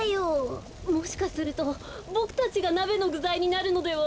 もしかするとボクたちがなべのぐざいになるのでは。